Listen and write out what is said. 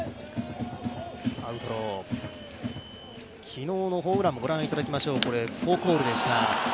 昨日のホームランも御覧いただきましょう、フォークボールでした。